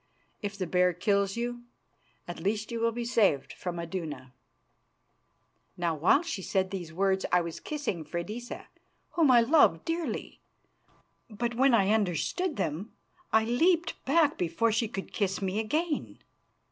If the bear kills you, at least you will be saved from Iduna." Now while she said these words I was kissing Freydisa, whom I loved dearly, but when I understood them I leapt back before she could kiss me again.